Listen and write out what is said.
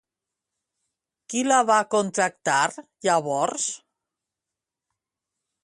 Qui la va contractar llavors?